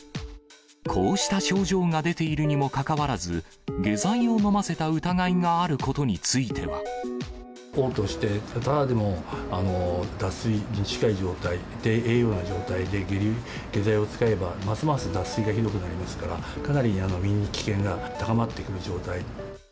こうした症状が出ているにもかかわらず、下剤を飲ませた疑いがあおう吐して、ただでも脱水に近い状態で、下剤を使えば、ますます脱水がひどくなりますから、かなり身に危険が高まってくる状態。